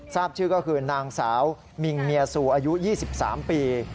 ทราบชื่อก็คือนางสาวมิงเมียซูอายุ๒๓ปี